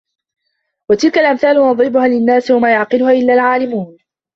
وَتِلكَ الأَمثالُ نَضرِبُها لِلنّاسِ وَما يَعقِلُها إِلَّا العالِمونَ